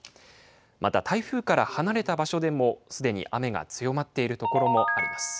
また台風から離れた場所でもすでに雨が強まっている所もあります。